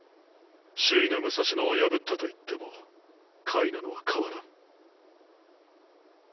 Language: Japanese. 首位の武蔵野を破ったといっても下位なのは変わらん。